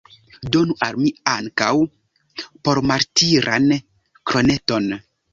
Donu al mi ankaŭ pormartiran kroneton!